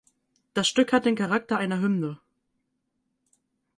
Das Stück hat den Charakter einer Hymne.